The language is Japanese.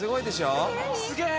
すげえ！